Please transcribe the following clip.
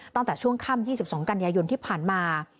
ตั้งแต่ช่วงค่ำ๒๒กันยายนที่ผ่านมา